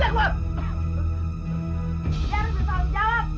dia harus bertolong jawab